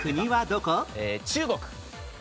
中国。